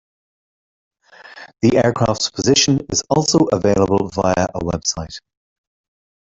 The aircraft's position is also available via a website.